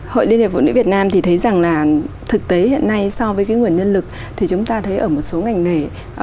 hội liên hiệp phụ nữ việt nam thì thấy rằng là thực tế hiện nay so với cái nguồn nhân lực thì chúng ta thấy ở một số ngành nghề